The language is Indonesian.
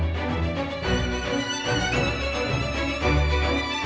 pasti mama gak akan mudah